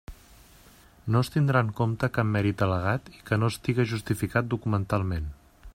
No es tindrà en compte cap mèrit al·legat i que no estiga justificat documentalment.